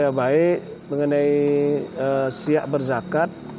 ya baik mengenai siak berzakat